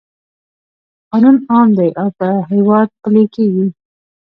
قانون عام دی او په هیواد پلی کیږي.